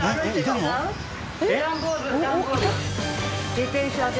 自転車で。